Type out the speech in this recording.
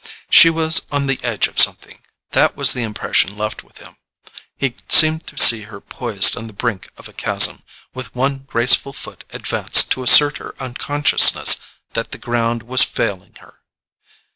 She was on the edge of something—that was the impression left with him. He seemed to see her poised on the brink of a chasm, with one graceful foot advanced to assert her unconsciousness that the ground was failing her.